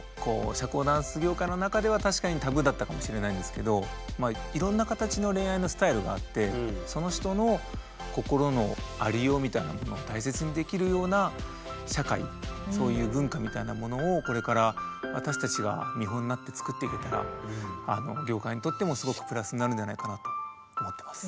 社交ダンス業界の中では確かにタブーだったかもしれないんですけどいろんな形の恋愛のスタイルがあってその人の心のありようみたいなものを大切にできるような社会そういう文化みたいなものをこれから私たちが見本になって作っていけたら業界にとってもすごくプラスになるのではないかなと思ってます。